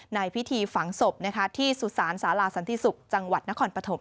ในพิธีฝังศพที่สุสานสาราสันติศุกร์จังหวัดนครปฐม